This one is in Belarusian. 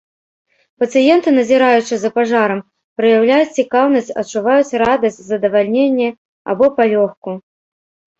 Пацыенты, назіраючы за пажарам, праяўляюць цікаўнасць, адчуваюць радасць, задавальненне або палёгку.